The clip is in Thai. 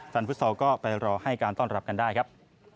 ฟุตซอลก็ไปรอให้การต้อนรับกันได้ครับ